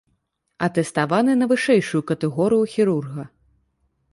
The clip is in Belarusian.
Атэставаны на вышэйшую катэгорыю хірурга.